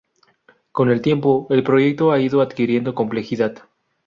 Con el tiempo, el proyecto ha ido adquiriendo complejidad.